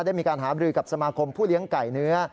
ได้มีการหาบรือกับสมาคมผู้เลี้ยงไก่เนื้อ